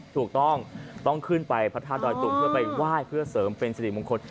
ถูกต้องต้องขึ้นไปพระธาตุดอยตุงเพื่อไปไหว้เพื่อเสริมเป็นสิริมงคล